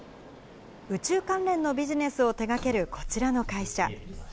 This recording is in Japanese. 宇宙関連のビジネスを手がけるこちらの会社。